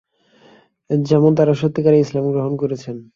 যেমন তারা সত্যিকারে ইসলাম গ্রহণ করেছেন।